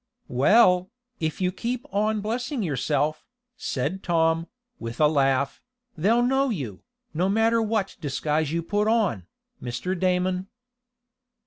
"Well, if you keep on blessing yourself," said Tom, with a laugh, "they'll know you, no matter what disguise you put on, Mr. Damon."